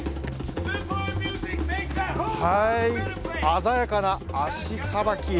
鮮やかな足さばき。